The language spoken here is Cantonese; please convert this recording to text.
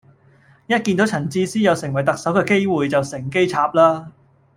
一見到陳智思有成為特首嘅機會就乘機插啦